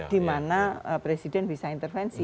di mana presiden bisa intervensi